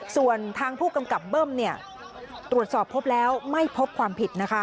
ส่วนทางผู้กำกับเบิ้มตรวจสอบพบแล้วไม่พบความผิดนะคะ